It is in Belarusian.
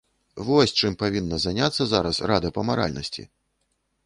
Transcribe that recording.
Вось чым павінна заняцца зараз рада па маральнасці!